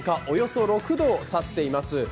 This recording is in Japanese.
およそ６度を指しています。